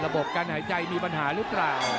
การหายใจมีปัญหาหรือเปล่า